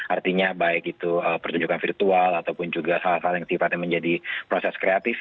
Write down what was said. artinya baik itu pertunjukan virtual ataupun juga salah satu sifatnya menjadi proses kreatif